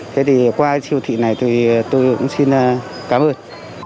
thế thì qua siêu thị này tôi cũng xin cảm ơn